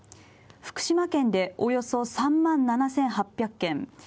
福島県でおよそ３万７８００軒。